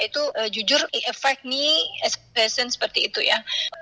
itu jujur affect me as a person seperti itu ya